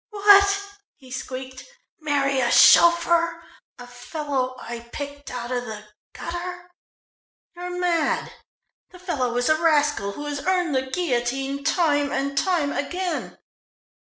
"What!" he squeaked. "Marry a chauffeur? A fellow I picked out of the gutter? You're mad! The fellow is a rascal who has earned the guillotine time and time again."